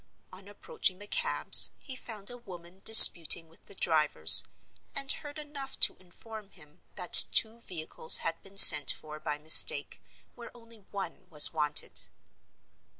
On approaching the cabs, he found a woman disputing with the drivers; and heard enough to inform him that two vehicles had been sent for by mistake, where only one was wanted.